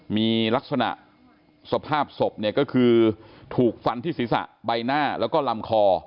มีลักษณะสภาพศพเนี่ยก็คือถูกฟันที่ศีรษะใบหน้าแล้วก็ลำคอ